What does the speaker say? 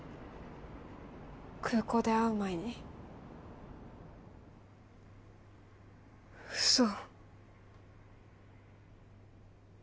空港で会う前にウソ